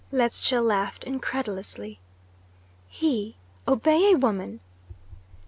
Ledscha laughed incredulously: "He obey a woman!"